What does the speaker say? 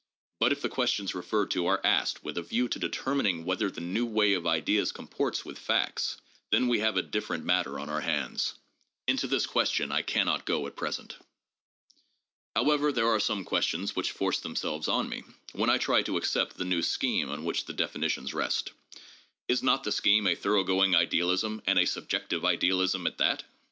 But if the questions referred to are asked with a view to determining whether the new way of ideas comports with facts, then we have a different matter on our hands. Into this question I can not go at present. However, there are some questions which force themselves on me when I try to accept the new scheme on which the definitions rest. Is not the scheme a thoroughgoing idealism, and a subjective ideal ism at that